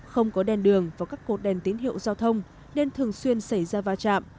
không có đèn đường và các cột đèn tín hiệu giao thông nên thường xuyên xảy ra va chạm